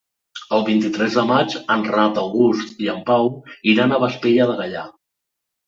El vint-i-tres de maig en Renat August i en Pau iran a Vespella de Gaià.